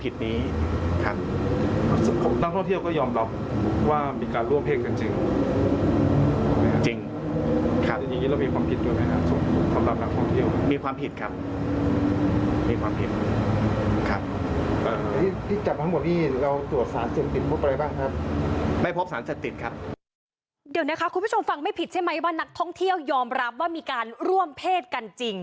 เดี๋ยวนะคะคุณผู้ชมฟังไม่ผิดใช่ไหมว่านักท่องเที่ยวยอมรับว่ามีการร่วมเพศกันจริง